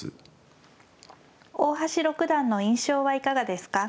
大橋六段の印象はいかがですか。